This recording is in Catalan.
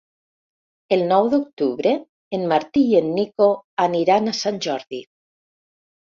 El nou d'octubre en Martí i en Nico aniran a Sant Jordi.